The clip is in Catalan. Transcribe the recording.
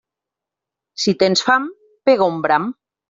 Si tens fam, pega un bram.